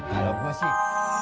kalau gue sih